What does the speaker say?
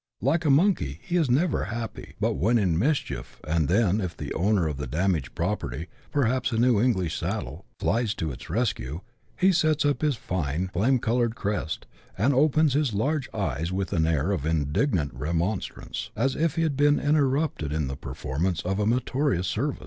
Like a monkey, he is never happy but when in mischief, and then, if the owner of the damaged property, perhaps a new English saddle, flies to its rescue, he sets up his fine flame coloured crest, and opens his large eyes with an air of indignant remonstrance, as if he had been interrupted in the performance pf a meritorious service.